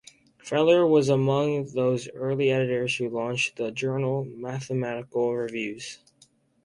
Feller was among those early editors who launched the journal "Mathematical Reviews".